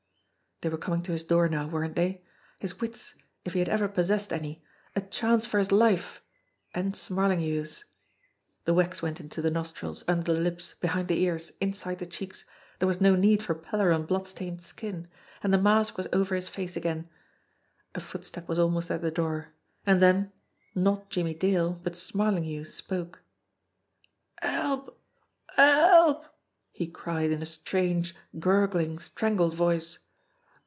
They were coming to his door now, weren't they? His wits if he had ever possessed any ! A chance for his life and Smarlinghue's ! The wax went into the nostrils, under the lips, behind the ears, inside the cheeks there was no need for pallor on blood stained skin and the mask was over his face again. A footstep was almost at the door. And then, not Jimmie Dale, but Smarlinghue spoke. "Help! Help!" he cried in a strange, gurgling, strangled voice.